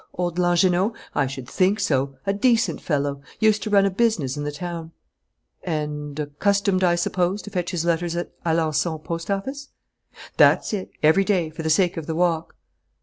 "Old Langernault? I should think so. A decent fellow: used to run a business in the town." "And accustomed, I suppose, to fetch his letters at Alençon post office?" "That's it, every day, for the sake of the walk."